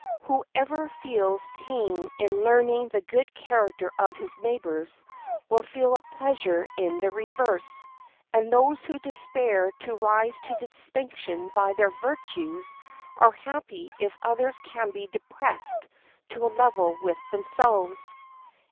Whoever feels pain in learning the good character of his neighbors will feel a pleasure in the reverse; and those who despair to rise to distinction by their virtues are happy if others can be depressed to a level with themselves.